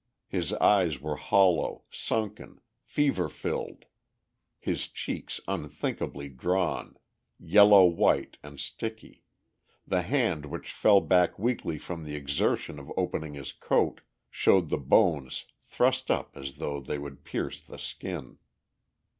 His eyes were hollow, sunken, fever filled, his cheeks unthinkably drawn, yellow white and sickly, the hand which fell back weakly from the exertion of opening his coat showed the bones thrust up as though they would pierce the skin.